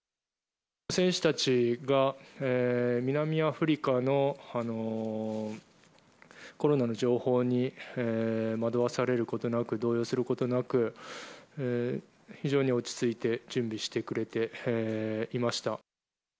選手たちが南アフリカのコロナの情報に惑わされることなく、動揺することなく、非常に落ち着いて準備してくれていました。